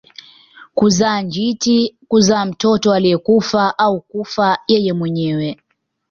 Kuzaa njiti kuzaa mtoto aliyekufa au kufa yeye mwenyewe